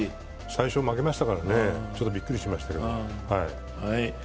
最初負けましたからびっくりしました。